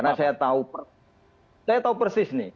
karena saya tahu persis nih